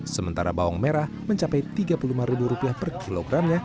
sementara bawang merah mencapai rp tiga puluh lima per kilogramnya